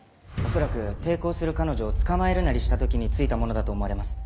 恐らく抵抗する彼女を捕まえるなりした時についたものだと思われます。